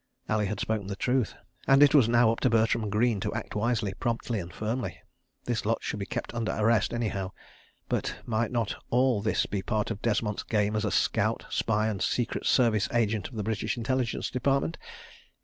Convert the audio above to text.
... Ali had spoken the truth and it was now up to Bertram Greene to act wisely, promptly and firmly. This lot should be kept under arrest anyhow. But might not all this be part of Desmont's game as a scout, spy and secret service agent of the British Intelligence Department.